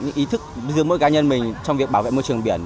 những ý thức giữa mỗi cá nhân mình trong việc bảo vệ môi trường biển